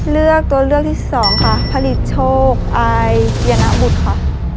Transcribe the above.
เลือกตัวเลือกที่สองค่ะผลิตโชคอายณบุตรค่ะ